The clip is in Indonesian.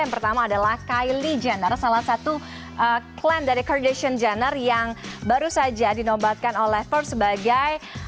yang pertama adalah kylie jenner salah satu klan dari kardashion jenner yang baru saja dinobatkan oleh pers sebagai